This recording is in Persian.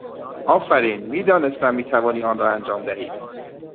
آفرین! می دانستیم می توانی آن را انجام دهی!